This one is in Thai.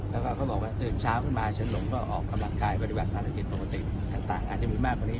แล้วก็เขาบอกว่าตื่นเช้าขึ้นมาเฉินหลงก็ออกกำลังกายบริเวณธนกิจปกติ